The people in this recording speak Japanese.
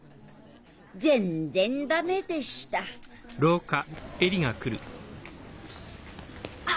全然ダメでしたあ！